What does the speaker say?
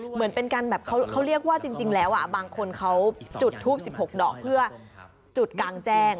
เหมือนเป็นการแบบเขาเรียกว่าจริงแล้วบางคนเขาจุดทูป๑๖ดอกเพื่อจุดกลางแจ้ง